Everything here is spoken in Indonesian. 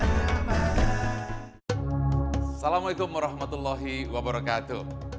assalamualaikum warahmatullahi wabarakatuh